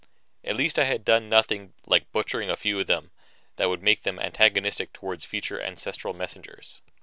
At least I had done nothing, like butchering a few of them, that would make them antagonistic toward future ancestral messengers.